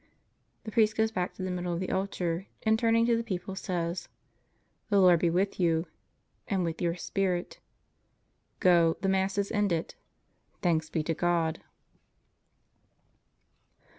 The priest goes back to the middle of the altar and turning to the people says: The Lord be with you. And with your spirit. Go, the Mass is ended. Thanks be to God.